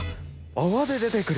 泡で出てくる。